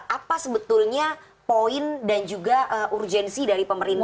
apa sebetulnya poin dan juga urgensi dari pemerintah